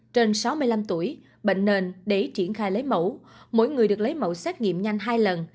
trên sáu mươi năm tuổi bệnh nền để triển khai lấy mẫu mỗi người được lấy mẫu xét nghiệm nhanh hai lần